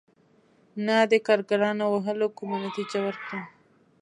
نه د کارګرانو وهلو کومه نتیجه ورکړه.